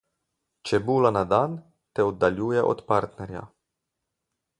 Čebula na dan te oddaljuje od partnerja.